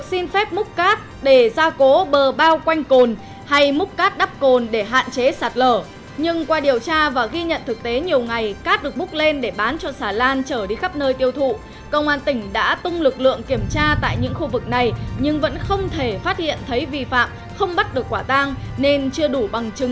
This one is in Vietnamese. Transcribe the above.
xin chào và hẹn gặp lại các bạn trong những video tiếp theo